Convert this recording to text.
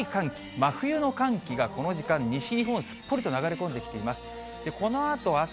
真冬の寒気がこの時間、西日本、すっぽりと流れ込んできます。